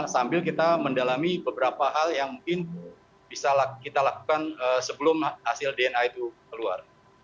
sambil kita mendalami beberapa hal yang mungkin bisa kita lakukan sebelum hasil dna itu keluar